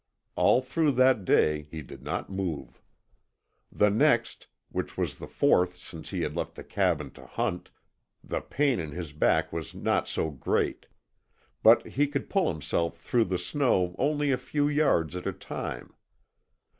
All through that day he did not move. The next, which was the fourth since he had left the cabin to hunt, the pain in his back was not so great. But he could pull himself through the snow only a few yards at a time.